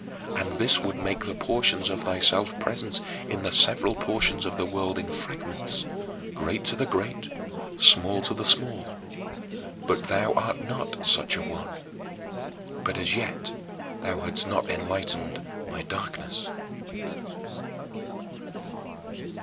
And this would make the portions of thyself present in the several portions of the world in fragments, great to the great, small to the small. But thou art not such a one. But as yet thou hadst not enlightened my darkness.